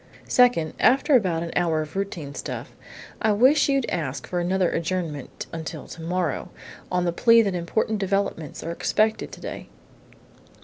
"Second, after about an hour of routine stuff, I wish you'd ask for another adjournment until tomorrow, on the plea that important developments are expected today."